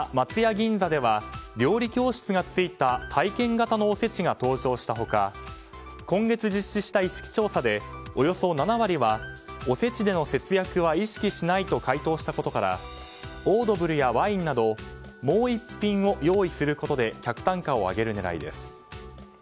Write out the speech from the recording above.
銀座では料理教室がついた体験型のおせちが登場した他今月実施した意識調査でおよそ７割はおせちでの節約は意識しないと回答したことからオードブルやワインなどもう１品を用意することで客単価を上げる狙いです。